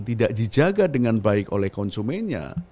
tidak dijaga dengan baik oleh konsumennya